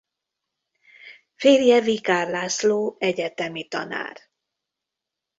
Férje Vikár László egyetemi tanár.